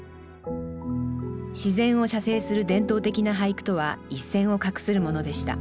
自然を写生する伝統的な俳句とは一線を画するものでした。